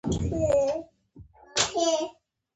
یوه دانه بوبسلیډ به رانیسو، وروسته به سړک ته ووځو.